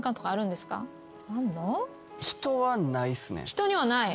人にはない。